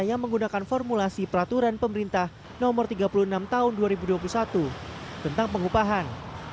yang menggunakan formulasi peraturan pemerintah no tiga puluh enam tahun dua ribu dua puluh satu tentang pengupahan